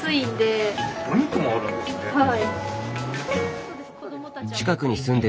はい。